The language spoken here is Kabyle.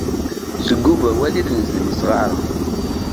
Seg Ubawal i d-nezdem isɣaren.